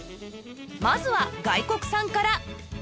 まずは外国産から